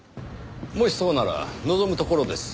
もしそうなら望むところです。